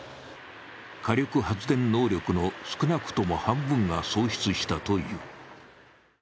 火力発電能力の少なくとも半分が喪失したという。